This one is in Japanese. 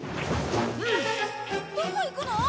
どこ行くの！？